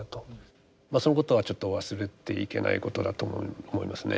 そのことはちょっと忘れていけないことだと思いますね。